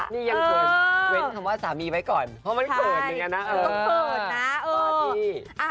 นี่ยังเคยเว้นคำว่าสามีไว้ก่อนเพราะมันเกิดอย่างนี้นะ